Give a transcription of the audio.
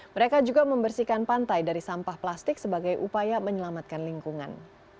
mereka juga membersihkan pantai dari sampah plastik sebagai upaya menyelamatkan lingkungan